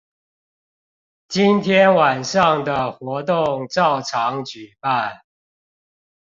今天晚上的活動照常舉辦